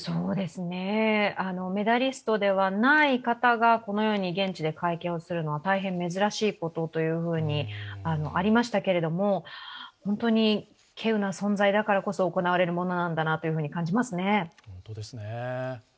メダリストではない方がこのように現地で会見をするのは大変珍しいことというふうにありましたけれども本当にけうな存在だからこそ行われるものなんだなと感じますね。